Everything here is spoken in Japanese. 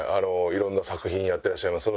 色んな作品やっていらっしゃいます。